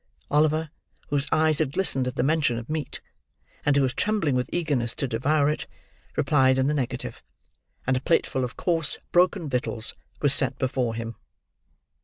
Oliver, whose eyes had glistened at the mention of meat, and who was trembling with eagerness to devour it, replied in the negative; and a plateful of coarse broken victuals was set before him.